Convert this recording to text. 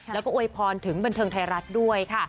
แล้วก็อวยพรถึงบันเทิงไทยรัฐด้วยค่ะ